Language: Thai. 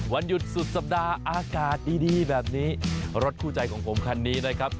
วันหยุดสุดสัปดาห์อากาศดีดีแบบนี้รถคู่ใจของผมคันนี้นะครับ